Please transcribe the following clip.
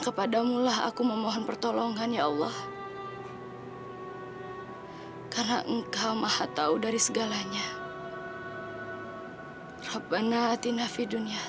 sampai jumpa di video selanjutnya